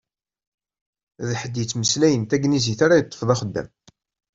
D ḥedd yettmeslayen taneglizit ara yeṭṭef d axeddam.